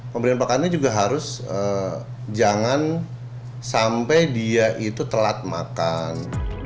pemberian pakannya juga harus jangan sampai dia itu telat makan